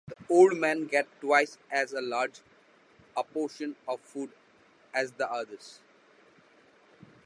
The Old Man gets twice as large a portion of food as the others.